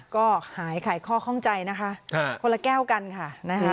ก็หายไขข้อข้องใจนะคะคนละแก้วกันค่ะนะคะ